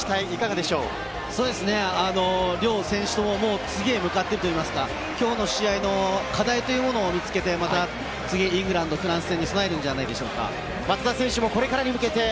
両選手も次へ向かってといいますか、今日の試合の課題を見つけて、次のイングランド戦とフランス戦に備えるのではないでしょうか。